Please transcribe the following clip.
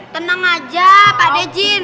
tenang aja pak dejin